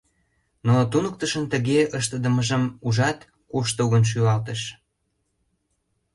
Но туныктышын тыге ыштыдымыжым ужат, куштылгын шӱлалтыш.